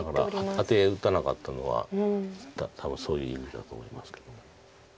だからアテ打たなかったのは多分そういう意味だと思いますけど。